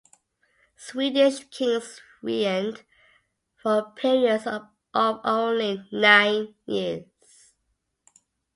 Swedish kings reigned for periods of only nine years.